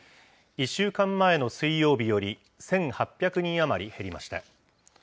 １週間前の水曜日より１８００人余り減りました。